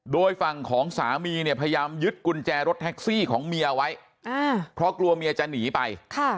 โดยฝั่งของสามีเนี่ยพยายามยึดกุญแจรถแท็กซี่ของเมียไว้เพราะกลัวเมียจะหนีไป